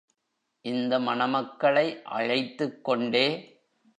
இந்த மணமக்களை அழைத்துக் கொண்டே.